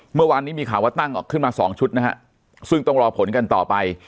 เมื่อวานนี้มีข่าวว่าตั้งออกขึ้นมาสองชุดนะฮะซึ่งต้องรอผลกันต่อไป